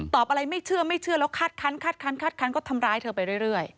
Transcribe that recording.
ตอบอะไรไม่เชื่อแล้วคัดคันก็ทำร้ายเธอไปเรื่อย